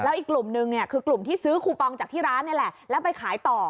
อีกกลุ่มนึงเนี่ยคือกลุ่มที่ซื้อคูปองจากที่ร้านนี่แหละแล้วไปขายต่อ